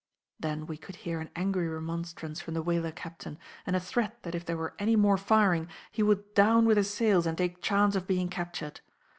Then we could hear an angry remonstrance from the whaler captain, and a threat that if there were any more firing, he would down with his sails and take chance of being captured.